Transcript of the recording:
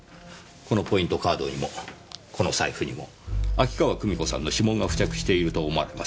このポイントカードにもこの財布にも秋川久美子さんの指紋が付着していると思われます。